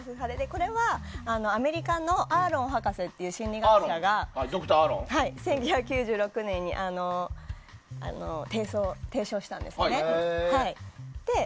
これはアメリカのアーロン博士という心理学者が、１９９６年に提唱したんですね。